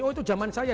oh itu jaman saya